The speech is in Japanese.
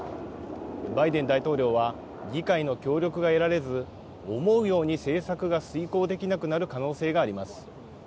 バイデン大統領は、議会の協力が得られず、思うように政策が遂行できなくなる可能性があります。